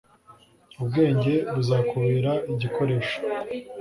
ubwenge buzakubera igikoresho